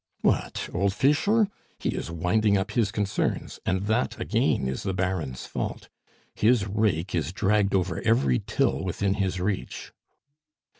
"What! Old Fischer? He is winding up his concerns, and that again is the Baron's fault; his rake is dragged over every till within his reach."